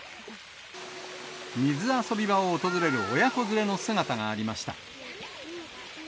水遊び場を訪れる親子連れの姿がありました。